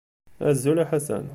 Azul a Ḥasan.